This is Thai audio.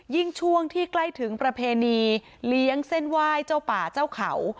ช่วงที่ใกล้ถึงประเพณีเลี้ยงเส้นไหว้เจ้าป่าเจ้าเขา